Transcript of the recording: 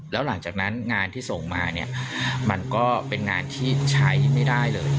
แล้วหลังจากนั้นงานที่ส่งมาเนี่ยมันก็เป็นงานที่ใช้ไม่ได้เลย